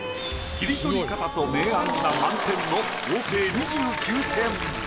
切り取り方と明暗が満点の合計２９点。